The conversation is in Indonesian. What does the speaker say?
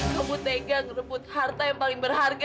kamu tega ngerebut harta yang paling berharga